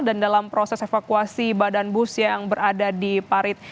dan dalam proses evakuasi badan bus yang berada di parit